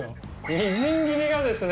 みじん切りがですね。